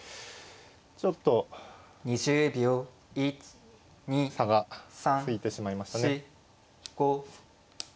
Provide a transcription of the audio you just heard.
ちょっと差がついてしまいましたね。